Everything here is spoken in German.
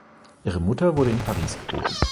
Ihre Mutter wurde in Paris geboren.